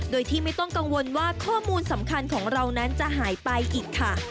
โดยที่ไม่ต้องกังวลว่าข้อมูลสำคัญของเรานั้นจะหายไปอีกค่ะ